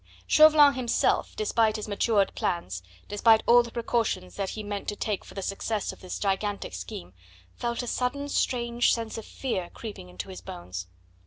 Chauvelin himself, despite his matured plans, despite all the precautions that he meant to take for the success of this gigantic scheme, felt a sudden strange sense of fear creeping into his bones.